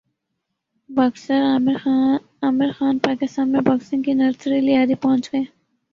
boxer Amir Khan Pakistan میں boxing کی nursery Lyari پہنچ گئے